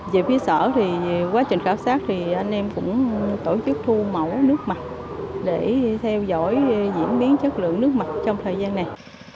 về phía sở thì quá trình khảo sát thì anh em cũng tổ chức thu mẫu nước mặt để theo dõi diễn biến chất lượng nước mặt trong thời gian này